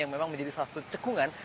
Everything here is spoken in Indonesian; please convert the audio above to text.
yang memang menjadi salah satu cekungan